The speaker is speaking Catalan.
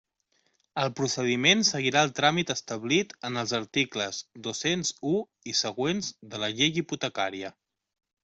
El procediment seguirà el tràmit establit en els articles dos-cents u i següents de la Llei Hipotecària.